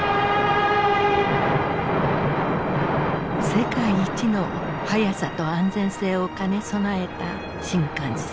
世界一の速さと安全性を兼ね備えた新幹線。